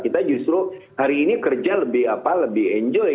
kita justru hari ini kerja lebih apa lebih enjoy